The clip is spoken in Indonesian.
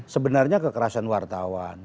sebenarnya kekerasan wartawan